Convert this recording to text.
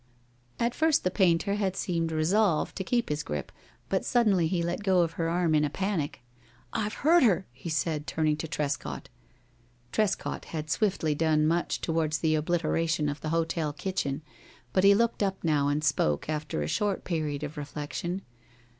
At first the painter had seemed resolved to keep his grip, but suddenly he let go her arm in a panic. "I've hurt her," he said, turning to Trescott. Trescott had swiftly done much towards the obliteration of the hotel kitchen, but he looked up now and spoke, after a short period of reflection.